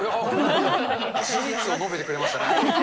事実を述べてくれましたね。